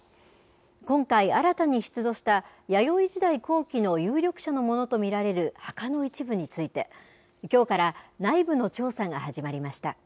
今回、新たに出土した弥生時代後期の有力者のものとみられる墓の一部について、きょうから内部の調査が始まりました。